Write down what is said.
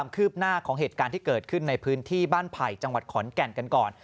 คืบหน้าของเหตุการณ์ที่เกิดขึ้นในพื้นที่บ้านไผ่จังหวัดขอนแก่นกันก่อน